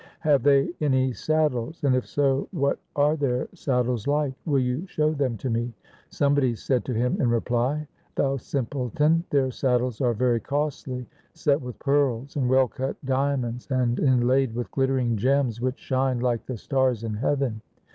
Have they any saddles, and if so what are their saddles like ? Will you show them to me ?' Somebody said to him in reply, 'Thou simpleton, their saddles are very costly, set with pearls and well cut diamonds, and inlaid with glittering gems which shine like the stars in heaven.